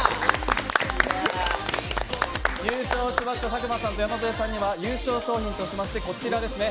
優勝しました佐久間さんと山添さんには優勝賞品としまして、こちらですね